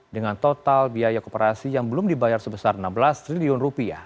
dengan total biaya kooperasi yang belum dibayar sebesar rp enam belas triliun